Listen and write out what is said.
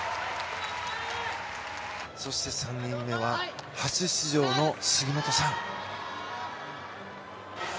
そして３人目は初出場の杉本さん。